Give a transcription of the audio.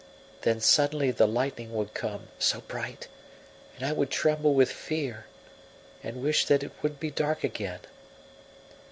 Then suddenly the lightning would come, so bright, and I would tremble with fear, and wish that it would be dark again.